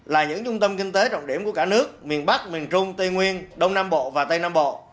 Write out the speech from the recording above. là những trung tâm kinh tế trọng điểm của cả nước miền bắc miền trung tây nguyên đông nam bộ và tây nam bộ